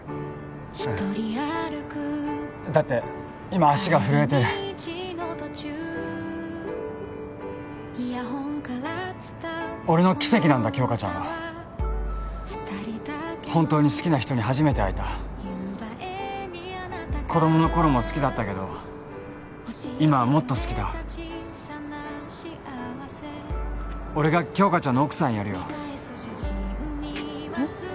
うんだって今足が震えてる俺の奇跡なんだ杏花ちゃんは本当に好きな人に初めて会えた子供の頃も好きだったけど今はもっと好きだ俺が杏花ちゃんの奥さんやるよえっ？